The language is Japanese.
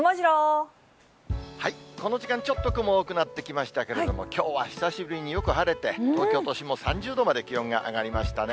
この時間、ちょっと雲多くなってきましたけれども、きょうはひさしぶりによく晴れて、東京都心も３０度まで気温が上がりましたね。